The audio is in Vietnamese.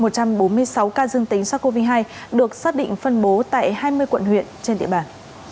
một trăm bốn mươi sáu ca dương tính sars cov hai được xác định phân bố tại hai mươi quận huyện trên địa bàn